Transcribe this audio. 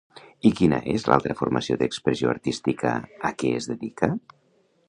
I quina és l'altra forma d'expressió artística a què es dedica?